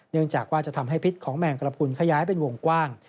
จากว่าจะทำให้พิษของแมงกระพุนขยายเป็นวงกว้าง